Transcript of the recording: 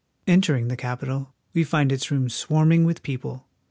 Entering the Capitol, we find its rooms swarming with people.